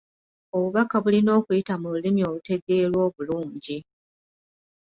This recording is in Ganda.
Obubaka bulina okuyita mu lulimi olutegeerwa obulungi.